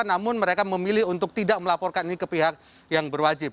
namun mereka memilih untuk tidak melaporkan ini ke pihak yang berwajib